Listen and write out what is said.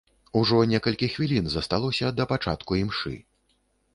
Ужо некалькі хвілін засталося да пачатку імшы.